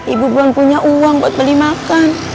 ibu belum punya uang buat beli makan